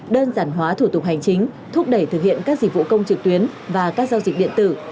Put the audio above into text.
đơn giản hóa thủ tục hành chính thúc đẩy thực hiện các dịch vụ công trực tuyến và các giao dịch điện tử